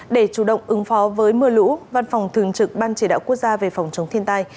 để chủ động ứng phó với mưa lũ văn phòng thường trực ban chỉ đạo quốc gia về phòng chống thiên tai